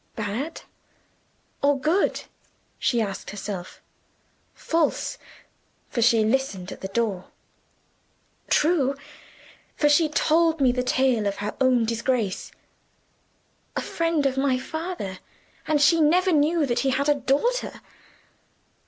"Bad? or good?" she asked herself. "False; for she listened at the door. True; for she told me the tale of her own disgrace. A friend of my father; and she never knew that he had a daughter.